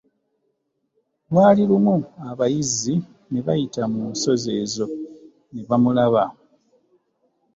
Lwali lumu abayizzi ne bayita mu nsozi ezo, ne bamulaba.